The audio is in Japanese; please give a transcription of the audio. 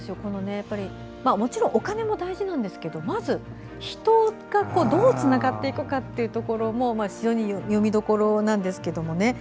もちろんお金も大事ですがまず人がどうつながっていくかというところも非常に読みどころなんですけどもね。